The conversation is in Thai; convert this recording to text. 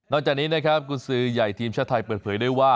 จากนี้นะครับกุญสือใหญ่ทีมชาติไทยเปิดเผยด้วยว่า